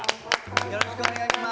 よろしくお願いします。